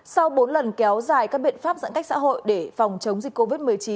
sau bốn lần kéo dài các biện pháp giãn cách xã hội để phòng chống dịch covid một mươi chín